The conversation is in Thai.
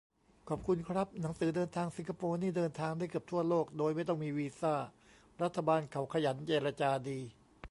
ขอบคุณครับ หนังสือเดินทางสิงคโปร์นี่เดินทางได้เกือบทั่วโลกโดยไม่ต้องมีวีซ่า รัฐบาลเขาขยันเจรจาดี